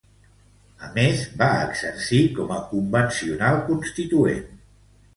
A més, va exercir com a Convencional Constituent.